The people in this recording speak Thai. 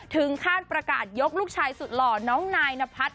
ถึงขั้นประกาศยกลูกชายสุดหล่อน้องนายนพัฒน